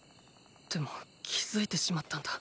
でも気付いてしまったんだ。